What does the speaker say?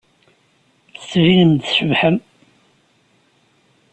Tettbinem-d tcebḥem.